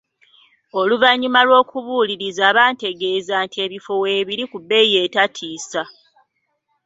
Oluvannyuma lw'okubuuliriza, bantegeeza nti ebifo weebiri ku bbeeyi etatiisa.